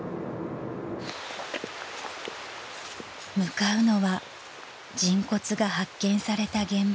［向かうのは人骨が発見された現場］